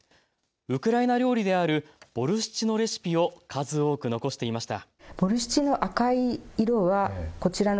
ウクライナ料理であるボルシチのレシピを数多く残していました。